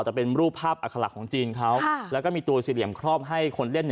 แต่เป็นรูปภาพอัคลักษ์ของจีนเขาแล้วก็มีตัวสี่เหลี่ยมครอบให้คนเล่น